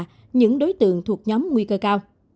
và người già những đối tượng thuộc nhóm nguy cơ cao